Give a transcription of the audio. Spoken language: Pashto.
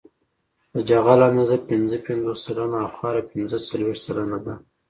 د جغل اندازه پنځه پنځوس سلنه او خاوره پنځه څلویښت سلنه ده